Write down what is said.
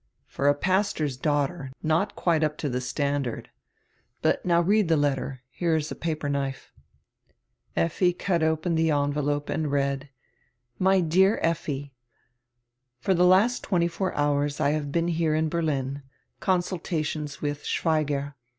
"For a pastor's daughter not quite up to die standard. But now read die letter. Here is a paper knife." Effi cut open die envelope and read: "My dear Effi: For the last twenty four hours I have been here in Berlin — Consultations with Schweigger.